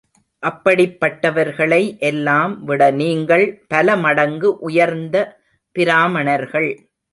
அப்படிப்பட்டவர்களை எல்லாம் விடநீங்கள் பல மடங்கு உயர்ந்த பிராமணர்கள்.